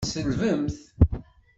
Tselbemt!